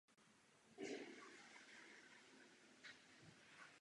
Papež se před novináři odmítl k těmto obviněním vyjádřit.